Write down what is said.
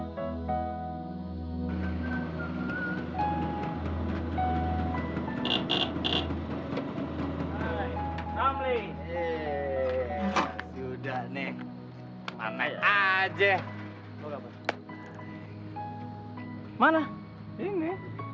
sampai jumpa di video selanjutnya